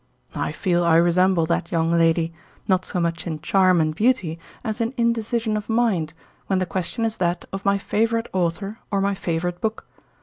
I feel I resemble that young lady, not so much in charm and beauty as in indecision of mind, when the question is that of my favourite author or my favourite book.